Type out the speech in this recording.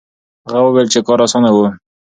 هغه وویل چې کار اسانه و.